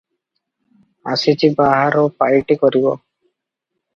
ଆସିଛି ବାହାର ପାଇଟି କରିବ ।